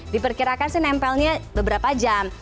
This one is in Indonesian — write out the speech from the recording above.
diperkirakan sih nempelnya beberapa jam